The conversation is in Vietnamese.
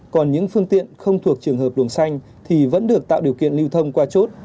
còn những phương tiện không thuộc trường hợp luồng xanh thì vẫn được tạo điều kiện lưu thông qua chốt